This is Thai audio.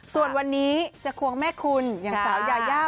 ส่วนวันนี้จะควงแม่คุณอย่างสาวยายา